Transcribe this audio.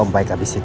om baik habisin